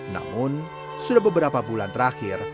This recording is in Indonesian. namun sudah beberapa bulan terakhir